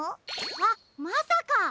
あっまさか！